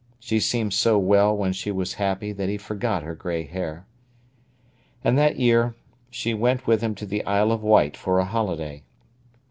She seemed so well when she was happy that he forgot her grey hair. And that year she went with him to the Isle of Wight for a holiday.